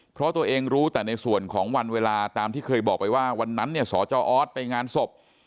เพราะตัวเองรู้แต่ในส่วนของวันเวลาตามที่เคยบอกไปว่าวันนั้นเนี่ยสจออสไปงานศพ